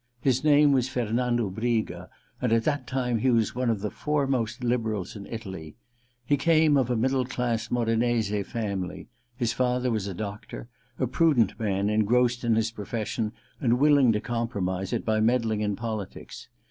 His name was Fernando Briga, and at that time he was one of the foremost liberals in Italy. He came of a middle class Modenese family. His father was a doctor, a prudent man, engrossed in his profession and unwilling to compromise it by meddling in politics.